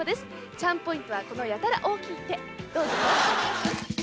チャームポイントはこのやたら大きい手どうぞよろしくお願いします